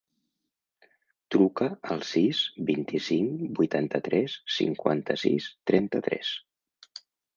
Truca al sis, vint-i-cinc, vuitanta-tres, cinquanta-sis, trenta-tres.